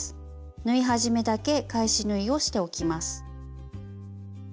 縫い始めだけ返し縫いをしておきます。